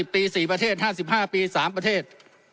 ปี๔ประเทศ๕๕ปี๓ประเทศ